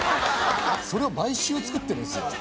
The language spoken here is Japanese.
それを毎週作ってるんですよ。